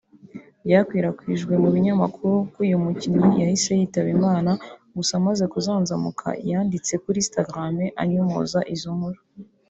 byakwirakwijwe mu binyamakuru ko uyu mukinnyi yahise yitaba Imana gusa amaze kuzanzamuka yanditse kuri Instagram anyomoza izo nkuru